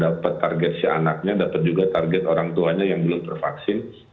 dapat target si anaknya dapat juga target orang tuanya yang belum tervaksin